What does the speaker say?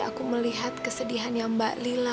aku melihat kesedihan yang mbak lila